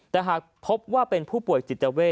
แต่หากพบว่าเป็นผู้ป่วยจิตเวท